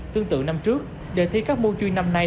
tương tự năm trước đề thi các môn chuyên năm nay